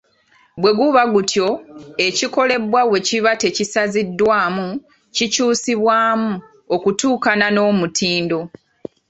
Bwe gutaba gutyo, ekikolebwa bwe kiba tekisaziddwamu, kikyusibwamu okutuukana n’omutindo.